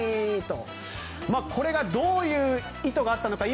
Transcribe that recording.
これがどういう意図があったのか